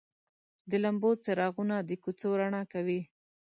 د لمبو څراغونه د کوڅو رڼا کوي.